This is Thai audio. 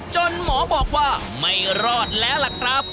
หมอบอกว่าไม่รอดแล้วล่ะครับ